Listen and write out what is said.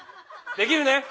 できるね。